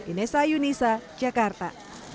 inessa yunisa jakarta